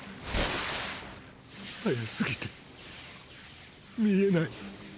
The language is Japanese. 速すぎて見えない